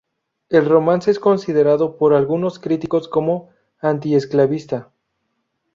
El romance es considerado por algunos críticos como antiesclavista.